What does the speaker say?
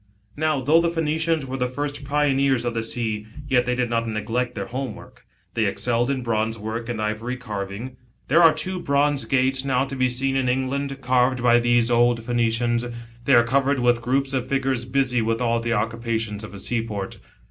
Now, though the Phoenicians were the first pioneers of the sea, yet they did not neglect their home work. They excelled in bronze work and ivory carving. There are two bronze gates now to be seen in England, carved by these old Phoenicians ; they are covered with groups of figures busy with all the occupations of a seaport.